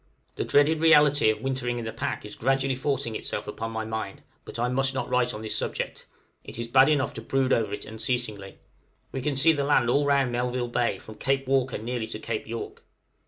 The dreaded reality of wintering in the pack is gradually forcing itself upon my mind, but I must not write on this subject, it is bad enough to brood over it unceasingly. We can see the land all round Melville Bay, from Cape Walker nearly to Cape York.